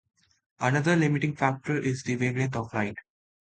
Another limiting factor is the wavelength of light.